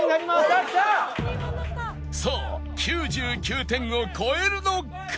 さあ９９点を超えるのか？